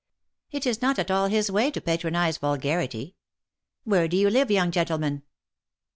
It is not at all his way to patronise vulgarity. Where do you live, young gentleman